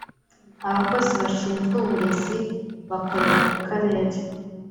abakozi bashinzwe uburezi bakorera ku Karere